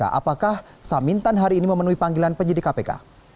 apakah samintan hari ini memenuhi panggilan penyidik kpk